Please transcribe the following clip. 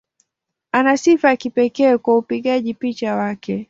Ana sifa ya kipekee kwa upigaji picha wake.